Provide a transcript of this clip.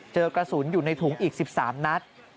เจอกระสุนอยู่ในถุงอีก๑๓นัด